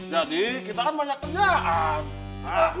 jadi kita kan banyak kerjaan